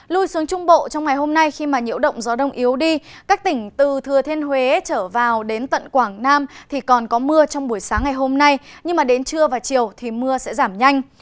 lui xuống trung bộ trong ngày hôm nay khi mà nhiễu động gió đông yếu đi các tỉnh từ thừa thiên huế trở vào đến tận quảng nam thì còn có mưa trong buổi sáng ngày hôm nay nhưng mà đến trưa và chiều thì mưa sẽ giảm nhanh